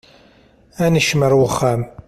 Ad nekcem ar wexxam.